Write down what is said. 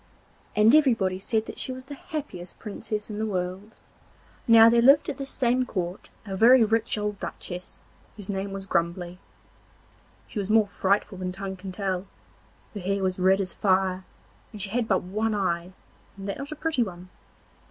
Everybody said she was the happiest Princess in the world. Now there lived at this same court a very rich old duchess whose name was Grumbly. She was more frightful than tongue can tell; her hair was red as fire, and she had but one eye, and that not a pretty one!